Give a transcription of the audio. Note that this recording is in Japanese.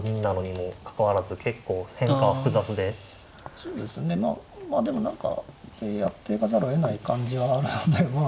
そうですねまあでも何かやっていかざるをえない感じはあるのでまあ。